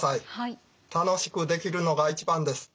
楽しくできるのが一番です。